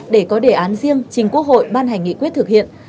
để có đề án riêng trình quốc hội ban hành nghị quyết thực hiện